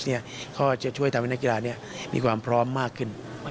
ก็จะช่วยทำให้นักกีฬามีความพร้อมมากขึ้น